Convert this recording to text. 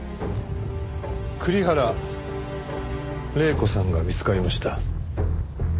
栗原玲子さんが見つかりました。